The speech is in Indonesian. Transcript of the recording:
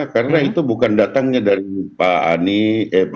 karena itu bukan datangnya dari pak anies